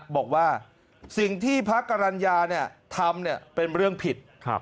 บอกว่าสิ่งที่พระกรรณญาเนี่ยทำเนี่ยเป็นเรื่องผิด